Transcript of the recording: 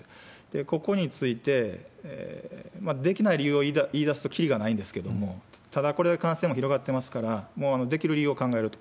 ここについて、できない理由を言い出すときりがないんですけれども、ただ、これ、感染も広がってますから、もうできる理由を考えると。